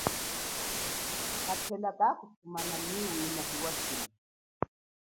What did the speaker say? Kapela kakusumana nyi wina hiwasula.